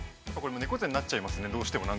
◆猫背になっちゃいますね、どうしても。